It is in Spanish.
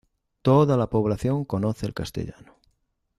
Toda la población conoce el castellano.